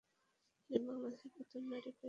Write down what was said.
তিনি বাংলাদেশের প্রথম নারী পাইলট প্রশিক্ষক।